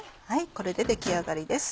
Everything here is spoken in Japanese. これで出来上がりです。